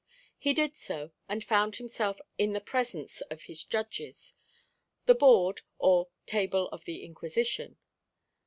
He did so; and found himself in the presence of his judges the Board, or "Table of the Inquisition."